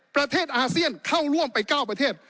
ประเทศอาเซียนเข้าร่วมไป๙ประเทศ